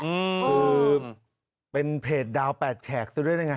อือคือเป็นเพจดาว๘แชกซะด้วยนะไง